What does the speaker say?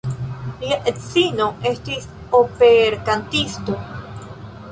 Lia edzino estis operkantisto.